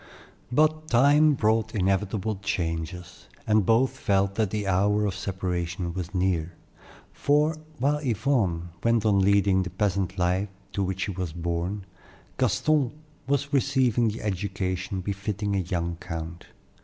But time brought inevitable changes, and both felt that the hour of separation was near; for, while Yvonne went on leading the peasant life to which she was born, Gaston was receiving the education befitting a young count.